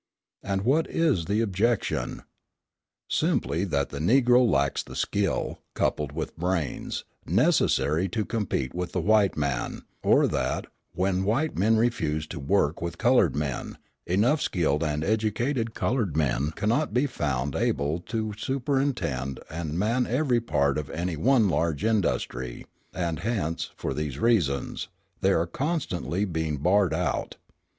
And what is the objection? Simply that the Negro lacks the skill, coupled with brains, necessary to compete with the white man, or that, when white men refuse to work with coloured men, enough skilled and educated coloured men cannot be found able to superintend and man every part of any one large industry; and hence, for these reasons, they are constantly being barred out.